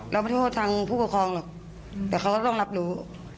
เราไม่ได้โทษทางผู้ปกครองหรอกแต่เขาก็ต้องรับรู้